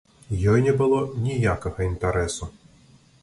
Ёй не было ніякага інтарэсу.